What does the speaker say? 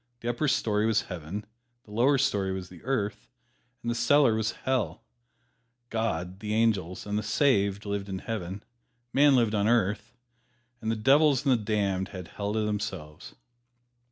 The upper story was Heaven, the lower story was the Earth, and the cellar was Hell. God, the angels and the "saved" lived in Heaven, man lived on Earth, and the devils and the damned had Hell to themselves.